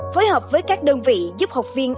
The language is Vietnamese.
phối hợp với các đơn vị giúp học viên